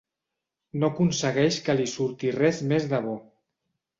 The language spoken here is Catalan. No aconsegueix que li surti res més de bo.